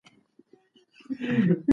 پښتو ژبه زموږ د کلتور یوه لویه برخه ده.